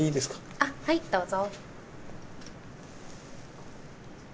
あはいどうぞ。